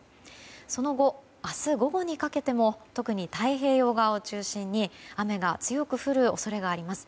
その後、明日午後にかけても特に太平洋側を中心に雨が強く降る恐れがあります。